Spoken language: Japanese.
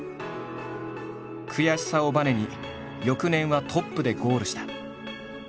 悔しさをばねに翌年はトップでゴールした。